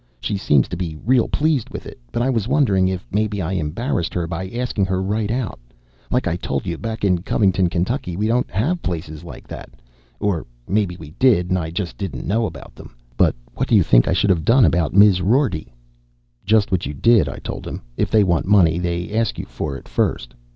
She seem' to be real pleased with it. But I was wondering if maybe I embarrassed her by asking her right out. Like I tol' you, back in Covington, Kentucky, we don't have places like that. Or maybe we did and I just didn't know about them. But what do you think I should've done about Miz Rorty?" "Just what you did," I told him. "If they want money, they ask you for it first.